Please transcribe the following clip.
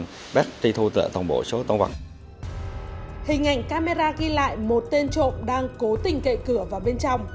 hình ảnh camera ghi lại một tên trộm đang cố tình cậy cửa vào bên trong